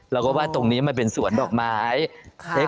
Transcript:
เราก็ว่าตรงนี้มันเป็นสวนดอกไม้